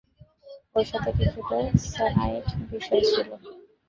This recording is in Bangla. ওর সাথে কিছুটা সায়ানাইড বিষ ছিল।